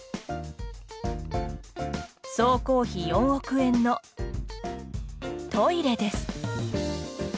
総工費４億円のトイレです。